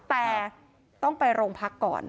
แต่ต้องไปโรงพักก่อน